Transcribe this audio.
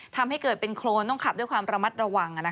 ทำให้เกิดเป็นโครนต้องขับด้วยความระมัดระวัง